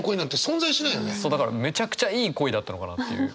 めちゃくちゃいい恋だったのかなっていう。